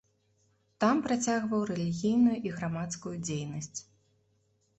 Там працягваў рэлігійную і грамадскую дзейнасць.